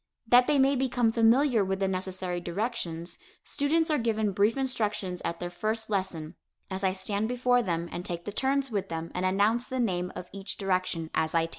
That they may become familiar with the necessary directions, students are given brief instructions at their first lesson, as I stand before them and take the turns with them and announce the name of each direction as I take it.